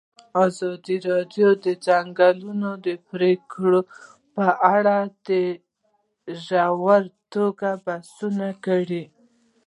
ازادي راډیو د د ځنګلونو پرېکول په اړه په ژوره توګه بحثونه کړي.